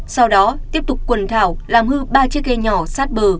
sau đó tiếp tục quần thảo làm hư ba chiếc ghe nhỏ sát bờ